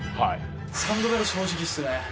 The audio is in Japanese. ３度目の正直っすね。